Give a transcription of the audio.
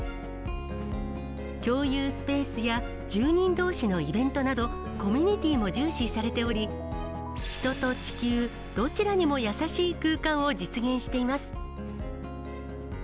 共有スペースや住人どうしのイベントなど、コミュニティも重視されており、人と地球どちらにも優しい空間を実現しています。